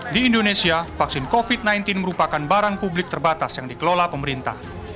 di indonesia vaksin covid sembilan belas merupakan barang publik terbatas yang dikelola pemerintah